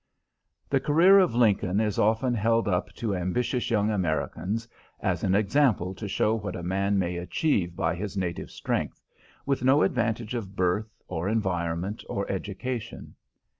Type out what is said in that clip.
The career of Lincoln is often held up to ambitious young Americans as an example to show what a man may achieve by his native strength, with no advantages of birth or environment or education.